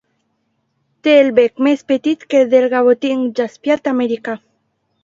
Té el bec més petit que el del gavotí jaspiat americà.